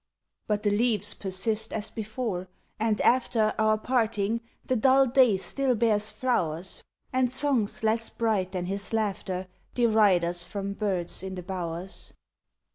But the leaves persist as before, and after Our parting the dull day still bears flowers; And songs less bright than his laughter Deride us from birds in the bowers.